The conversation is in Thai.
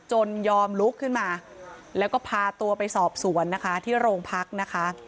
ยอมลุกขึ้นมาแล้วก็พาตัวไปสอบสวนนะคะที่โรงพักนะคะ